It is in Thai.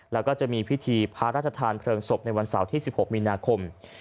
แล้วก็จะมีพิธีพระราชทานเพลิงศพในวันเสาร์ที่๑๖มีนาคม